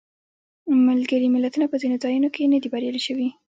ملګري ملتونه په ځینو ځایونو کې نه دي بریالي شوي.